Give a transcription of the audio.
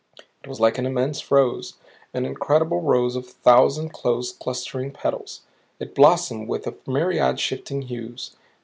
It was like an immense rose. An incredible rose of a thousand close clustering petals. It blossomed with a myriad shifting hues.